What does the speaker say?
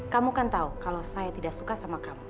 kamu kan tahu kalau saya tidak suka sama kamu